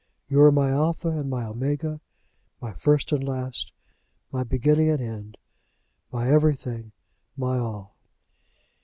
You are my Alpha and my Omega, my first and last, my beginning and end, my everything, my all."